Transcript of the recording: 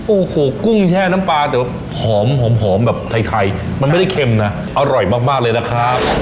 โอ้โหกุ้งแช่น้ำปลาแต่ว่าหอมหอมแบบไทยมันไม่ได้เค็มนะอร่อยมากเลยนะครับ